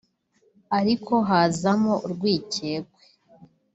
ariko hazamo urwikekwe